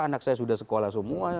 anak saya sudah sekolah semua